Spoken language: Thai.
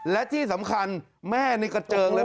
และที่สำคัญแม่นี่กระเจิงเลย